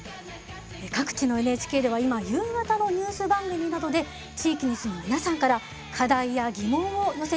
各地のＮＨＫでは今夕方のニュース番組などで地域に住む皆さんから課題や疑問を寄せていただく企画を放送しています。